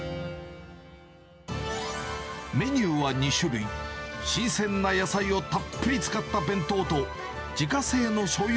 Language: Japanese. メニューは２種類、新鮮な野菜をたっぷり使った弁当と、自家製のしょうゆ